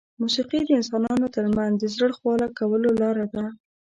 موسیقي د انسانانو ترمنځ د زړه خواله کولو لاره ده.